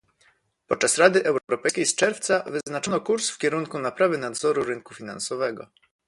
Podczas Rady Europejskiej z czerwca wyznaczono kurs w kierunku naprawy nadzoru rynku finansowego